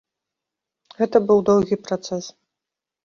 Гэта быў доўгі працэс.